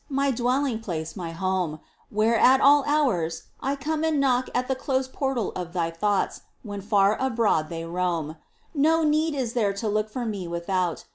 My dweUing place, My home, Where at all hours I come And knock at the closed portal of thy thoughts When far abroad they roam. No need is there to look for Me without.